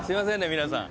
皆さん。